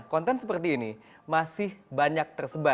benar benar tidak memudah diakses